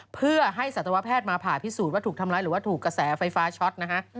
เพื่อให้สัตวแพทย์มาผ่าพิสูจน์ว่าถูกทำร้ายหรือว่าถูกกระแสไฟฟ้าช็อตนะฮะ